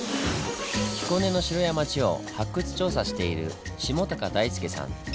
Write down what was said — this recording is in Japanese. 彦根の城や町を発掘調査している下高大輔さん。